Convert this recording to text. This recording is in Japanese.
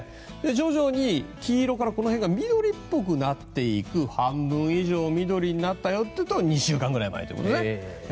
徐々に黄色からこの辺が緑っぽくなっていく半分以上緑になったよっていうと２週間くらい前ということですね。